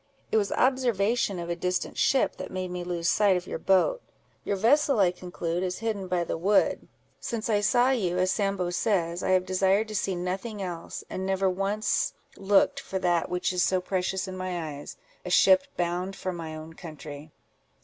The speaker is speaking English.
It was observation of a distant ship that made me lose sight of your boat. Your vessel, I conclude, is hidden by the wood. Since I saw you, as Sambo says, I have desired to see nothing else; and never once looked for that which is so precious in my eyes—a ship bound for my own country."